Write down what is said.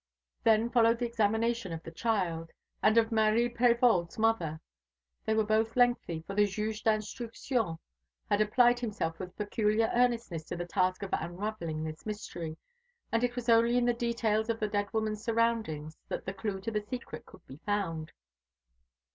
Then followed the examination of the child, and of Marie Prévol's mother. They were both lengthy, for the Juge d'Instruction had applied himself with peculiar earnestness to the task of unravelling this mystery, and it was only in the details of the dead woman's surroundings that the clue to the secret could be found.